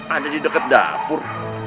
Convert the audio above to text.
ada di deket dapur